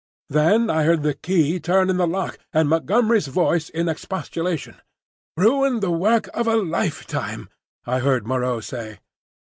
Then I heard the key turn in the lock, and Montgomery's voice in expostulation. "Ruin the work of a lifetime," I heard Moreau say.